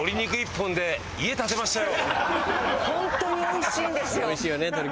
本当においしいんですよ。